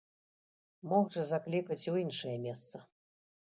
Мог жа заклікаць у іншае месца.